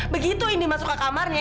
begitu ini masuk ke kamarnya